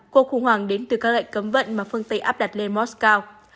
cuộc khủng hoảng đến từ các lệnh cấm vận mà phương tây áp đặt lên moscow